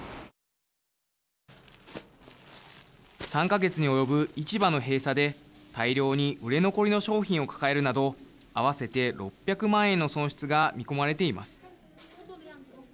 ３か月に及ぶ市場の閉鎖で大量に売れ残りの商品を抱えるなど合わせて６００万円の損失が見込まれています。